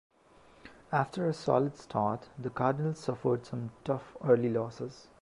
After a solid start, the Cardinals suffered some tough early losses.